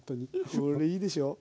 これいいでしょ。